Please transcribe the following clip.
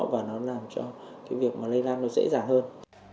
và nó làm cho cái việc mà lây lan nó dễ dàng hơn